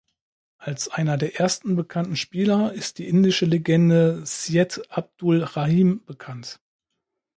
Als einer der ersten bekannten Spieler ist die indische Legende Syed Abdul Rahim bekannt.